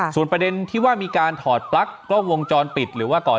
ส่วนประเด็นที่ว่ามีการถอดปลั๊กกล้องวงจรปิดหรือว่าก่อน